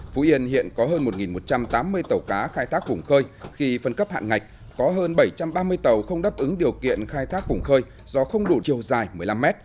phú yên hiện có hơn một một trăm tám mươi tàu cá khai thác vùng khơi khi phân cấp hạn ngạch có hơn bảy trăm ba mươi tàu không đáp ứng điều kiện khai thác vùng khơi do không đủ chiều dài một mươi năm mét